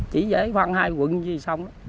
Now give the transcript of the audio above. chỉ dễ khoăn hai quận như vậy xong đó